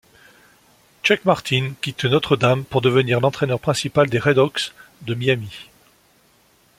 Chuck Martin quitte Notre Dame pour devenir l'entraineur principal des Redhawks de Miami.